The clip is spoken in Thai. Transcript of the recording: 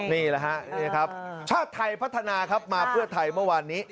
นี่แหละฮะนี่ครับชาติไทยพัฒนาครับมาเพื่อไทยเมื่อวานนี้